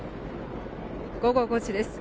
午後５時です。